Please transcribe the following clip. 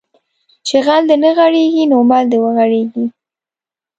چې غل نه غېړيږي مل د وغړيږي